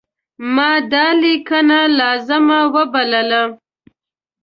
ما دا لیکنه لازمه وبلله.